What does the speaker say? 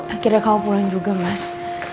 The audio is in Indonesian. akhirnya kamu pulang juga mas